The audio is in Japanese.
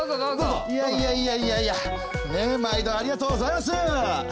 いやいやいやいやいや毎度ありがとうございます。